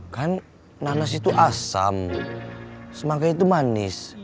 kan nanas itu asam semangka itu manis